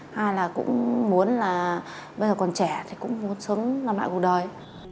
hai là cũng muốn là bây giờ còn trẻ thì cũng muốn sớm làm lại cuộc đời